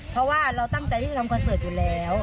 เพราะว่าเราตั้งใจที่จะทำคอนเสิร์ตอยู่แล้ว